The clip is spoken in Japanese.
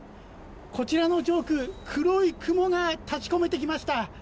こちらの上空黒い雲が立ち込めてきました。